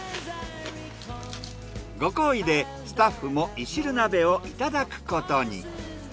ご厚意でスタッフもいしる鍋をいただくことに。